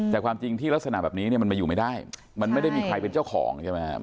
แต่ความจริงที่ลักษณะแบบนี้เนี่ยมันมาอยู่ไม่ได้มันไม่ได้มีใครเป็นเจ้าของใช่ไหมครับ